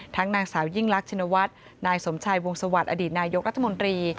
ทั้งนางสาวยิ่งลักษณวรรษนายสมชัยวงศวรรษอดีตนายกรัฐมนตรี